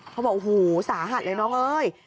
เขาบอกโอ้โหสาหัสเลยน้องเอ้ย